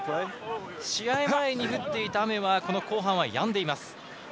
試合前に降っていた雨は後半はやんでいます。